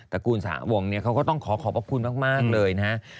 ตระกูลสาวงเขาก็ต้องขอขอบคุณมากเลยนะคะ